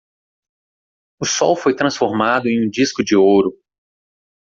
O sol foi transformado em um disco de ouro.